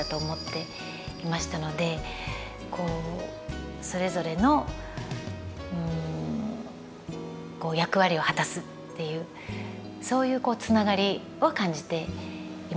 こうそれぞれの役割を果たすっていうそういうつながりを感じていました。